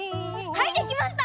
はいできました！